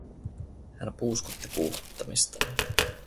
Hän puuskutti puuskuttamistaan.